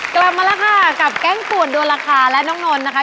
กลับมาแล้วค่ะกับแก๊งป่วนด้วนราคาและน้องนนท์นะคะ